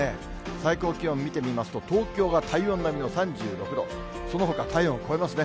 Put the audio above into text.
最高気温見てみますと、東京が体温並みの３６度、そのほか体温超えますね。